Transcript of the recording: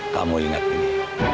kamu ingat ini